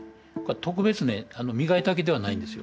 特別ね磨いたわけではないんですよ。